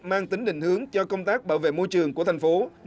mang tính định hướng cho công tác bảo vệ môi trường của tp hcm